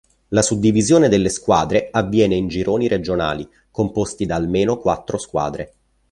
La suddivisione delle squadre avviene in gironi regionali composti da almeno quattro squadre.